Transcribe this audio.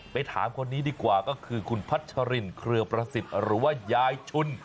ถามคนนี้ดีกว่าก็คือคุณพัชรินเครือประสิทธิ์หรือว่ายายชุน